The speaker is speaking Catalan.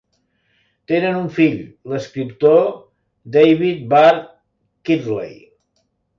Tenen un fill, l'escriptor David Barr Kirtley.